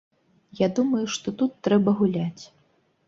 Я думаю, што тут трэба гуляць.